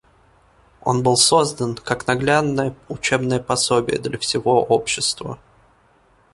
Он был создан как наглядное учебное пособие для всего общества.